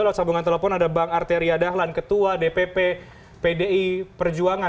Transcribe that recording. lewat sambungan telepon ada bang arteria dahlan ketua dpp pdi perjuangan